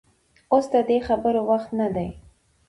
اوس د دې خبرو وخت نه دى.